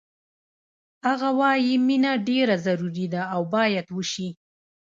هغه وایی مینه ډېره ضروري ده او باید وشي